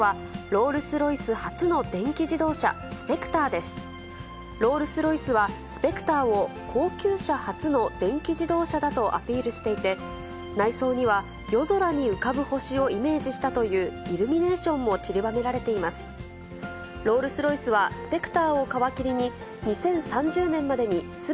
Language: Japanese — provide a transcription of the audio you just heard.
ロールス・ロイスはスペクターを高級車初の電気自動車だとアピールしていて、内装には夜空に浮かぶ星をイメージしたというイルミネーションもちりばめられています。